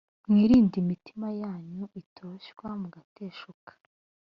mwirinde imitima yanyu itoshywa mugateshuka